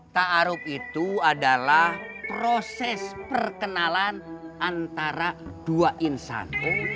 ta'arub itu adalah proses perkenalan antara dua insan